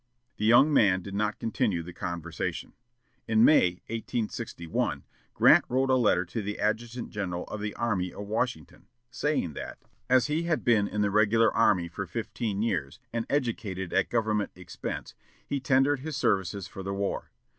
The young man did not continue the conversation. In May, 1861, Grant wrote a letter to the adjutant general of the army at Washington, saying that, as he had been in the regular army for fifteen years, and educated at government expense, he tendered his services for the war.